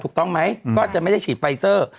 ถูกต้องไหมก็จะไม่ได้ฉีดไฟเซอร์